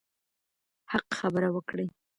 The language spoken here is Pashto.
حق خبره وکړئ.